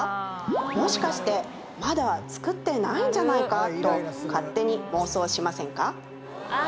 もしかしてまだ作ってないんじゃないか？と勝手に妄想しませんか？